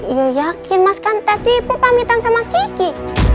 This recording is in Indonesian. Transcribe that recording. ya yakin mas kan tadi ibu pamitan sama kiki